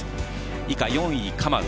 以下４位、カマウ。